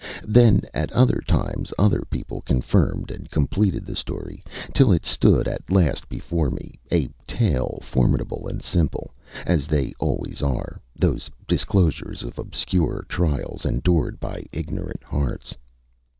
Then at other times other people confirmed and completed the story: till it stood at last before me, a tale formidable and simple, as they always are, those disclosures of obscure trials endured by ignorant hearts.